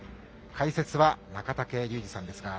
解説は中竹竜二さんです。